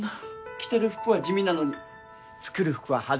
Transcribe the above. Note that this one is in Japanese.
着てる服は地味なのに作る服は派手なのね。